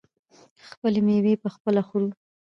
خپلې میوې پخپله خورو.